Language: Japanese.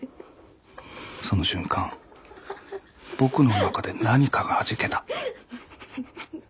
その瞬間僕の中で何かが弾けた。